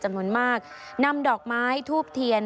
จำนวนมากนำดอกไม้ทูบเทียน